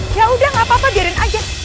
yaudah gak apa apa diarin aja